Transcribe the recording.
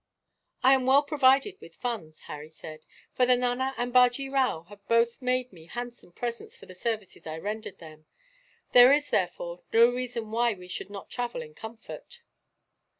"I am well provided with funds," Harry said, "for the Nana and Bajee Rao have both made me handsome presents for the services I rendered them. There is, therefore, no reason why we should not travel in comfort."